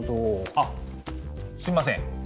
あっすいません。